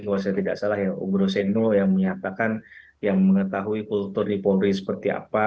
kalau saya tidak salah ya ugro sendo yang menyatakan yang mengetahui kultur di polri seperti apa